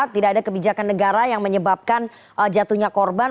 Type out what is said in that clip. tidak ada kebijakan negara yang menyebabkan jatuhnya korban